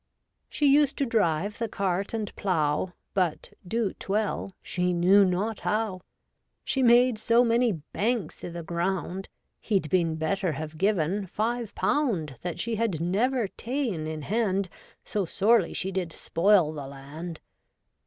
She used to drive the cart and plow. But do't well she knew not how. She made so many banks i' th' ground. He'd been better have given five pound That she had never ta'en in hand. So sorely she did spoil the land.